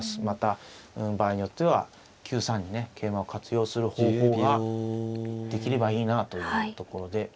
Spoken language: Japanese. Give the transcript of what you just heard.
また場合によっては９三にね桂馬を活用する方法ができればいいなあというところで。